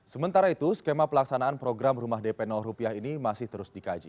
sementara itu skema pelaksanaan program rumah dp rupiah ini masih terus dikaji